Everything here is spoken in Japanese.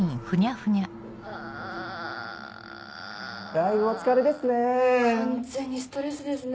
だいぶお疲れですね。